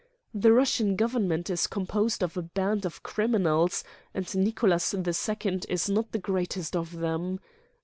The Russian Government is composed of a band of criminals, and Nicholas II is not the greatest of them.